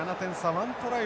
１トライ